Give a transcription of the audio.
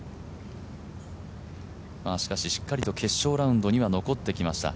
しかししっかりと決勝ラウンドには残ってきました。